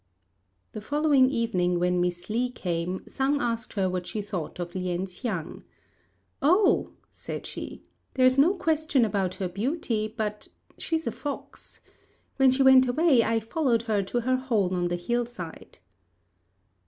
The following evening when Miss Li came, Sang asked her what she thought of Lien hsiang. "Oh," said she, "there's no question about her beauty; but she's a fox. When she went away I followed her to her hole on the hill side."